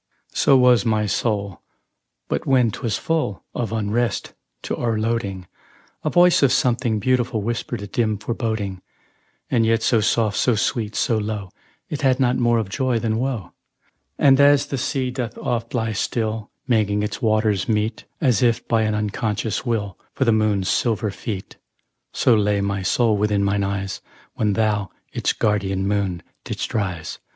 So was my soul; but when 'twas full Of unrest to o'erloading, A voice of something beautiful Whispered a dim foreboding, And yet so soft, so sweet, so low, It had not more of joy than woe; And, as the sea doth oft lie still, Making its waters meet, As if by an unconscious will, For the moon's silver feet, So lay my soul within mine eyes When thou, its guardian moon, didst rise.